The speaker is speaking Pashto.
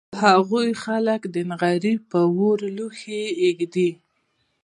هغوی خلک د نغري په اور لوښي اېږدي